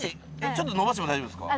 ちょっと伸ばしても大丈夫ですか？